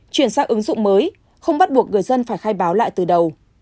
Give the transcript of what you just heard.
chuyển sang ứng dụng mới không bắt buộc người dân phải khai báo lại từ đầu